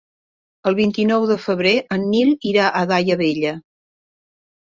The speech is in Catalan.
El vint-i-nou de febrer en Nil irà a Daia Vella.